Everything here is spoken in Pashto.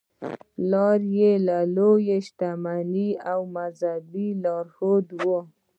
پلار یې لوی شتمن او مذهبي لارښود و.